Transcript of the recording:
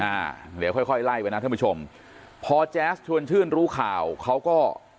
อ่าเดี๋ยวค่อยค่อยไล่ไปนะท่านผู้ชมพอแจ๊สชวนชื่นรู้ข่าวเขาก็